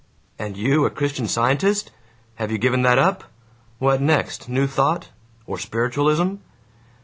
"And you a Christian Scientist? Have you given that up? What next? New Thought or Spiritualism?"